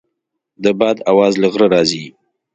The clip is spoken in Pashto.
د باد اواز له غره راځي.